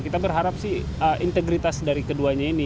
kita berharap sih integritas dari keduanya ini